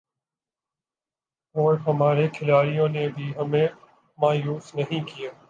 اور ہمارے کھلاڑیوں نے بھی ہمیں مایوس نہیں کیا